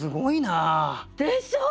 でしょう？